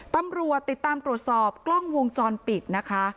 ตำรวจติดตามตรวจสอบกล้องวงจรปิดนะคะ